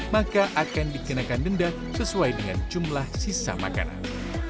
maka akan dikenakan denda sesuai dengan jumlah sisa makanan